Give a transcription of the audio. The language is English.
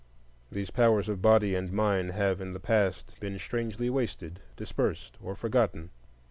These powers of body and mind have in the past been strangely wasted, dispersed, or forgotten.